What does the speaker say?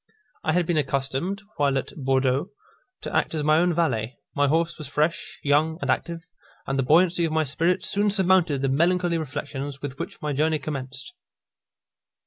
I had been accustomed, while at Bourdeaux, to act as my own valet; my horse was fresh, young, and active, and the buoyancy of my spirits soon surmounted the melancholy reflections with which my journey commenced.